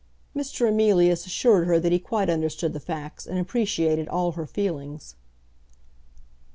Mr. Emilius assured her that he quite understood the facts, and appreciated all her feelings.